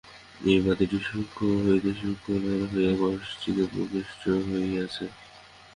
ঐ বাতিটিই সূক্ষ্ম হইতে সূক্ষ্মতর হইয়া কষ্টিকে প্রবিষ্ট হইয়াছে।